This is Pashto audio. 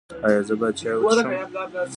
ایا زه باید چای وڅښم؟